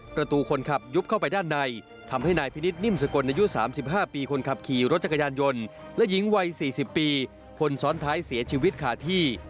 ประตูคนขับยุบเข้าไปด้านในทำให้นายพินิศนิ่มสกลอายุ๓๕ปีคนขับขี่รถจักรยานยนต์และหญิงวัย๔๐ปีคนซ้อนท้ายเสียชีวิตขาดที่